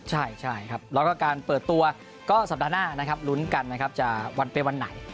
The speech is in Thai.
ใช่ครับแล้วก็การเปิดตัวก็สัปดาห์หน้านะครับลุ้นกันนะครับจะวันไปวันไหน